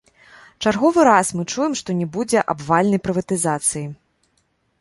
Чарговы раз мы чуем што не будзе абвальнай прыватызацыі.